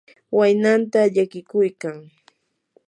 waynanta llakiykuykan.